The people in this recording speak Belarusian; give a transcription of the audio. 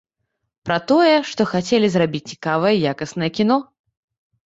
Пра тое, што хацелі зрабіць цікавае якаснае кіно.